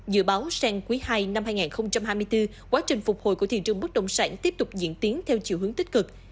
dự báo sang quý ii năm hai nghìn hai mươi bốn quá trình phục hồi của thị trường bất đồng sản tiếp tục diễn tiến theo chiều hướng tích cực